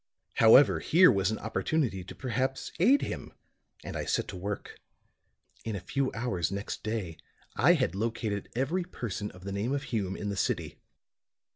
"However, here was an opportunity to perhaps aid him; and I set to work. In a few hours next day I had located every person of the name of Hume in the city.